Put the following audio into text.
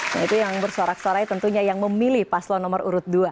nah itu yang bersorak sorak tentunya yang memilih paslon nomor urut dua